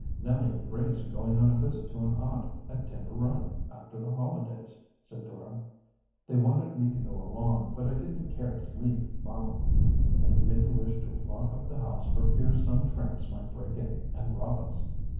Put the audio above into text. "Nellie and Grace are going on a visit to an aunt at Timber Run after the holidays," said Dora. "They wanted me to go along, but I didn't care to leave mamma, and we didn't wish to lock up the house for fear some tramps might break in and rob us."